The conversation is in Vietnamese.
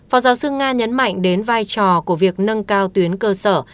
phó giáo sư nga nhấn mạnh đến vai trò của việc nâng cao tuyến cơ sở